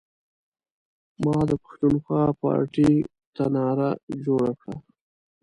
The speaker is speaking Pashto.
ما د پښتونخوا پارټۍ ته نعره جوړه کړه.